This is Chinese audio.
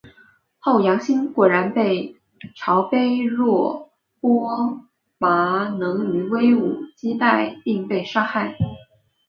后杨欣果然被鲜卑若罗拔能于武威击败并被杀害。